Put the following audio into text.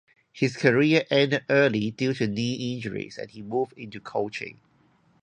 His career ended early due to knee injuries, and he moved into coaching.